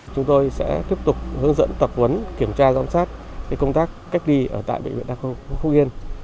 chúng tôi sẽ tiếp tục hướng dẫn tập huấn kiểm tra giám sát công tác cách ly ở tại bệnh viện đa khoa phúc yên